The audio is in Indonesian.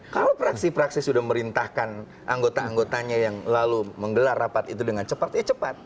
kalau praksi praksi sudah merintahkan anggota anggotanya yang lalu menggelar rapat itu dengan cepat ya cepat